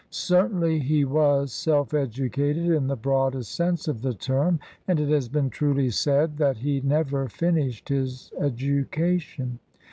Certainly he was self educated in the broadest sense of the term, and it has been truly said that he "never finished his education.